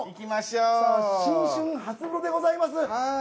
新春初湯でございます。